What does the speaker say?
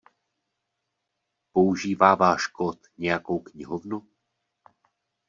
Používá váš kód nějakou knihovnu?